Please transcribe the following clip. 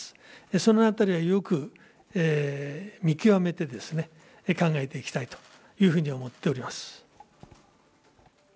そのあたりはよく見極めて、考えていきたいというふうに思っております。